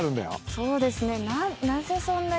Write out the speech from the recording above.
そうですね。